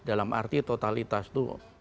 dalam arti totalitas itu